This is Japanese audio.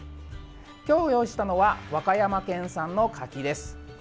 今日用意したのは和歌山県産の柿です。